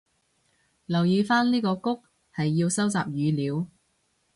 留意返呢個谷係要收集語料